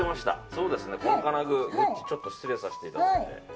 そうですね、この金具ちょっと失礼させていただいて。